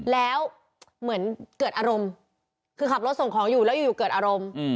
แล้วเหมือนเกิดอารมณ์คือขับรถส่งของอยู่แล้วอยู่เกิดอารมณ์